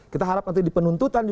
kita harap nanti di penuntutan